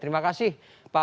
terima kasih pak ibrahim